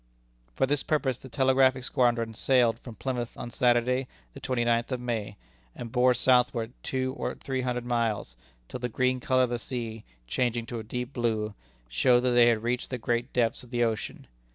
For this purpose the telegraphic squadron sailed from Plymouth on Saturday, the twenty ninth of May, and bore southward two or three hundred miles, till the green color of the sea changing to a deep blue, showed that they had reached the great depths of the ocean.